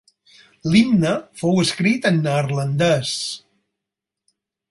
L'himne fou escrit en neerlandès.